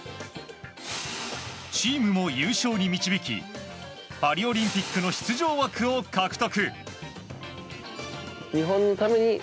チームも優勝に導きパリオリンピックの出場枠を獲得。